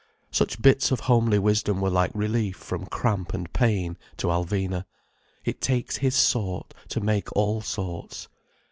Such bits of homely wisdom were like relief from cramp and pain, to Alvina. "It takes his sort to make all sorts."